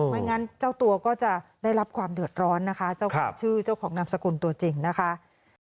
ไม่งั้นเจ้าตัวก็จะได้รับความเดือดร้อนนะคะเจ้าของชื่อเจ้าของนามสกุลตัวจริงนะคะ